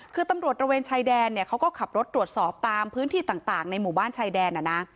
คือตำรวจตระเวนชายแดนเขาก็ขับรถตรวจสอบตามพื้นที่ต่างในหมู่บ้านชายแดน